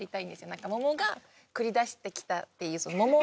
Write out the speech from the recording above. なんか「桃が繰り出してきた」っていう。